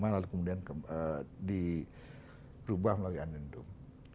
lalu kemudian diubah melalui andendung